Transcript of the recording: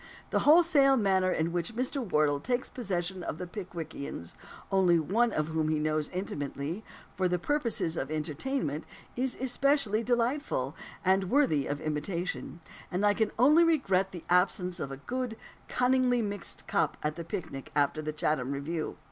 The wholesale manner in which Mr. Wardle takes possession of the Pickwickians only one of whom he knows intimately for purposes of entertainment, is especially delightful, and worthy of imitation; and I can only regret the absence of a good, cunningly mixed "cup" at the picnic after the Chatham review.